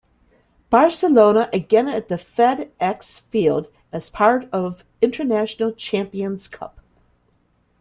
Barcelona again at the FedExField as part of International Champions Cup.